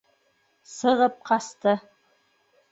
Сығып ҡасты.